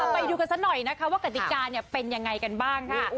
ไปดูกันสักหน่อยนะคะว่ากติกาเป็นยังไงกันบ้างค่ะ